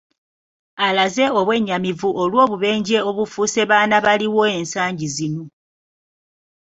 Alaze obwennyamivu olw'obubenje obufuuse baana baliwo ensangi zino